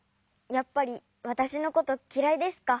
やっぱりわたしのこときらいですか？